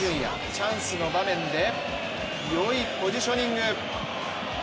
チャンスの場面で良いポジショニング。